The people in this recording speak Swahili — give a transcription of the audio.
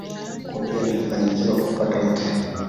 Huko pia alifanikiwa kupata mke.